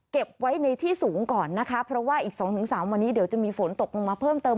เก็บไว้ในที่สูงก่อนนะคะเพราะว่าอีกสองถึงสามวันนี้เดี๋ยวจะมีฝนตกลงมาเพิ่มเติม